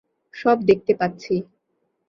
সব দেখতে পাচ্ছি।